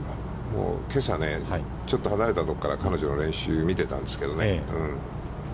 けさね、ちょっと離れたところから彼女の練習を見てたんですけどね。